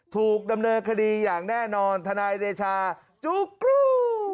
ถูกดำเนินคดีอย่างแน่นอนทนายเดชาจุ๊กกรู